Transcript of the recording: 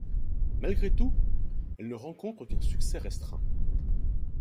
Malgré tout, elle ne rencontre qu'un succès restreint.